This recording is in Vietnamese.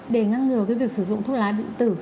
để ngăn ngừa cái việc sử dụng thuốc lá điện tử